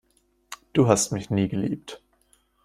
Du hast mich nie geliebt.